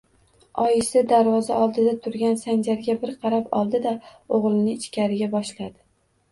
Oyisi darvoza oldida turgan Sanjarga bir qarab oldi-da, o‘g‘lini ichkariga boshladi